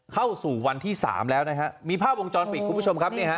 เข้าสู่วันที่๓แล้วนะครับมีภาพวงจรปิดคุณผู้ชมครับ